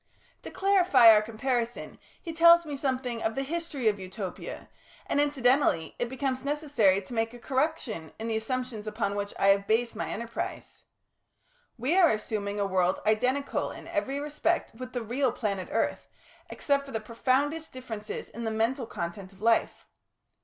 To clarify our comparison he tells me something of the history of Utopia, and incidentally it becomes necessary to make a correction in the assumptions upon which I have based my enterprise. We are assuming a world identical in every respect with the real planet Earth, except for the profoundest differences in the mental content of life.